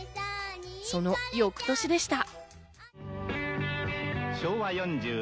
その翌年でした。